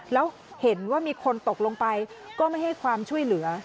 แล้วเห็นว่ามีคนตกลงไปก็ไม่ให้ความช่วยเหลือ